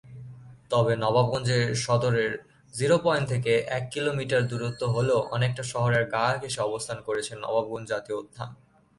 তবে নবাবগঞ্জ সদরের zero point থেকে এক কিলোমিটার দুরত্ব হলেও অনেকটা শহরের গা-ঘেষে অবস্থান করছে নবাবগঞ্জ জাতীয় উদ্যান।